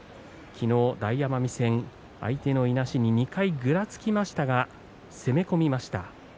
昨日大奄美戦相手のいなしに２回ぐらつきましたけれども攻め込みました。